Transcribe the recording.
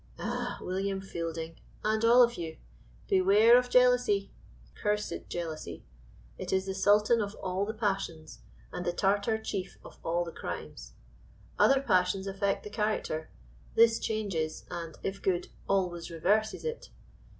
Ah! William Fielding, and all of you, "Beware of jealousy" cursed jealousy! it is the sultan of all the passions, and the Tartar chief of all the crimes. Other passions affect the character; this changes, and, if good, always reverses it!